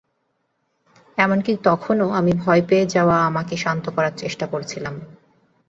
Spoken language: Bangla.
এমনকি তখনও, আমি ভয় পেয়ে যাওয়ায় আমাকে শান্ত করার চেষ্টা করছিলো।